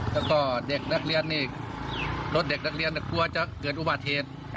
แล้วก็เด็กนักเรียนนี่รถเด็กนักเรียนกลัวจะเกิดอุบัติเหตุ